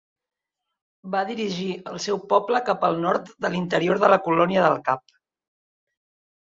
Va dirigir el seu poble cap al nord de l'interior de la Colònia del Cap.